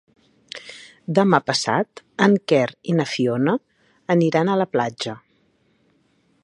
Demà passat en Quer i na Fiona aniran a la platja.